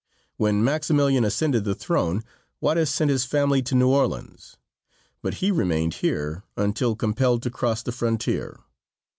When Maximilian ascended the throne, Juarez sent his family to New Orleans, but he remained here until compelled to cross the frontier.